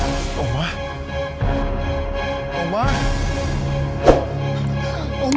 tentang kejadian pada malam itu